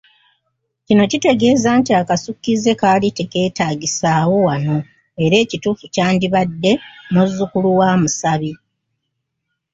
Kino kitegeeza nti akasukkize kaali tekeetaagisaawo wano era ekituufu kyandibadde "Muzzukulu wa musabi."